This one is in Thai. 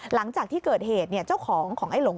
หลังจากที่เกิดเหตุเจ้าของของไอ้หลง